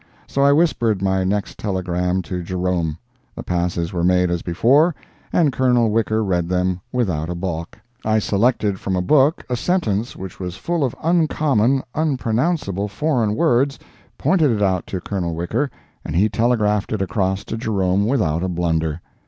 So I whispered my next telegram to Jerome—the passes were made as before, and Colonel Wicker read them without a balk. I selected from a book a sentence which was full of uncommon and unpronounceable foreign words, pointed it out to Colonel Wicker, and he telegraphed it across to Jerome without a blunder.